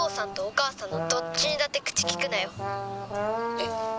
えっ？